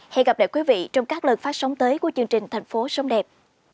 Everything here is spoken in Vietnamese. hẹn gặp lại quý vị trong các lần phát sóng tới của chương trình thành phố sống đẹp